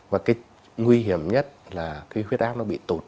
và cái nguy hiểm nhất là cái huyết áp nó bị tụt